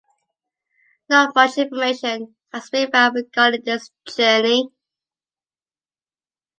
Not much information has been found regarding this tourney.